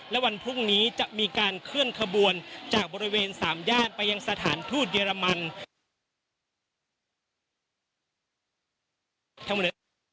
และวันพรุ่งนี้จะมีการเคลื่อนขบวนจากบริเวณสามย่านไปยังสถานทูตเยอรมัน